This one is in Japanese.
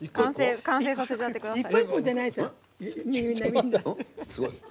完成させちゃってください。